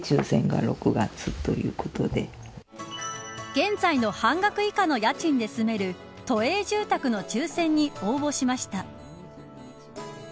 現在の半額以下の家賃で住める都営住宅の抽選に応募しました。